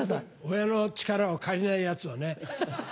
親の力を借りないやつをね。